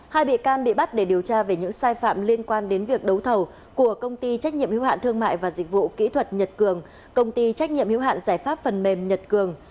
hai bị can bị bắt để điều tra về những sai phạm liên quan đến việc đấu thầu của công ty trách nhiệm hiếu hạn thương mại và dịch vụ kỹ thuật nhật cường công ty trách nhiệm hiếu hạn giải pháp phần mềm nhật cường